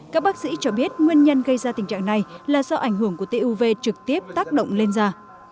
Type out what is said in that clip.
các bác sĩ cho biết nguyên nhân gây ra tình trạng này là do ảnh hưởng của tiêu uv trực tiếp tác động lên da